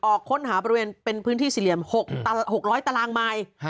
ออกค้นหาบริเวณเป็นพื้นที่สิเหียม๖๐๐ตารางไมค์